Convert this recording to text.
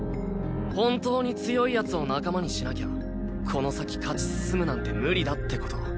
本当に強い奴を仲間にしなきゃこの先勝ち進むなんて無理だって事。